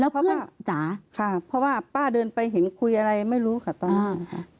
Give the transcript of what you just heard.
เพราะว่าป้าเดินไปเห็นคุยอะไรไม่รู้ค่ะตอนนั้น